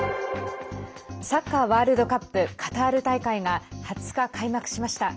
サッカーワールドカップカタール大会が２０日、開幕しました。